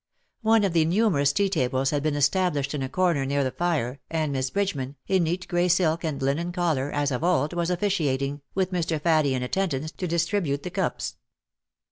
One of the nume rous tea tables had been established in a corner near the fire, and Miss Bridgeman, in neat grey silk and linen collar, as of old, was ofiiciating, with Mr. Faddie in attendance, to distribute the cups.